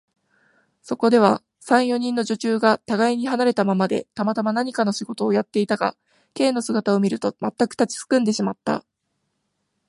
そこでは、三、四人の女中がたがいに離れたままで、たまたま何かの仕事をやっていたが、Ｋ の姿を見ると、まったく立ちすくんでしまった。